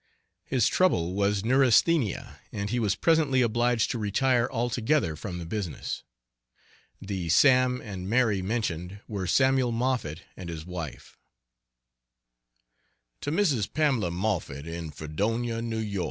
His trouble was neurasthenia, and he was presently obliged to retire altogether from the business. The "Sam and Mary" mentioned were Samuel Moffet and his wife. To Mrs. Pamela Moffett, in Fredonia, N. Y.